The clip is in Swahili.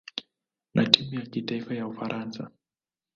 na timu ya kitaifa ya Ufaransa.